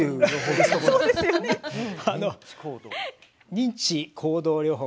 認知行動療法。